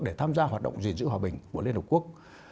để tham gia hoạt động diện sử hòa bình của liên hợp quốc